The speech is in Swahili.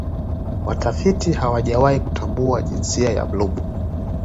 watafiti hawajawahi kutambua jinsia ya blob